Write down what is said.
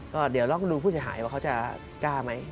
ก็เดี๋ยวลองดูผู้เสียหายว่าเขาจะกล้าไหม